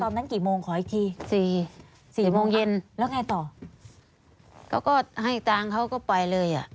นั้นกี่โมงขออีกทีสี่สี่โมงเย็นแล้วไงต่อเขาก็ให้ตังค์เขาก็ไปเลยอ่ะ